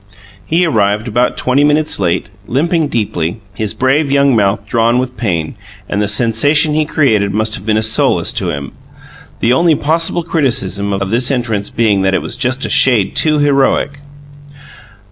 He arrived about twenty minutes late, limping deeply, his brave young mouth drawn with pain, and the sensation he created must have been a solace to him; the only possible criticism of this entrance being that it was just a shade too heroic.